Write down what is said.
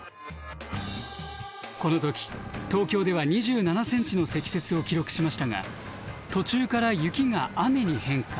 この時東京では２７ｃｍの積雪を記録しましたが途中から雪が雨に変化。